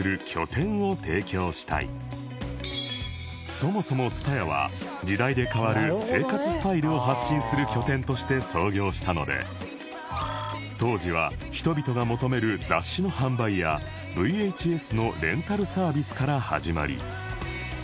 そもそも ＴＳＵＴＡＹＡ は時代で変わる生活スタイルを発信する拠点として創業したので当時は人々が求める雑誌の販売や ＶＨＳ のレンタルサービスから始まり